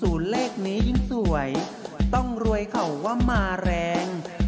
เลขนี้ยิ่งสวยต้องรวยเขาว่ามาแรง